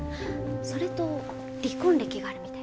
それと離婚歴があるみたいです。